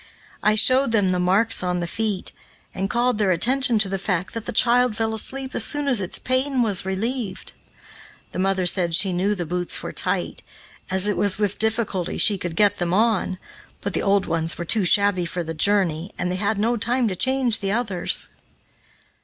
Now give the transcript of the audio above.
I showed them the marks on the feet, and called their attention to the fact that the child fell asleep as soon as its pain was relieved. The mother said she knew the boots were tight, as it was with difficulty she could get them on, but the old ones were too shabby for the journey and they had no time to change the others.